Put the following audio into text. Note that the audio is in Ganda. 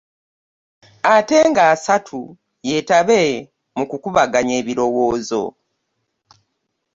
Ate nga asatu yeetabe mu kukubaganya ebirowoozo.